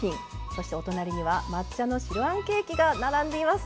そしてお隣には抹茶の白あんケーキが並んでいます。